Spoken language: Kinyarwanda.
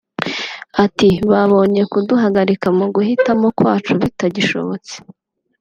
Ati "Babonye kuduhagarika mu guhitamo kwacu bitagishobotse